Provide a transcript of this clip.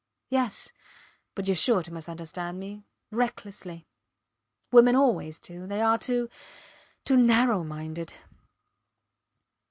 Yes. But youre sure to misunderstand me recklessly. Women always do they are too too narrow minded.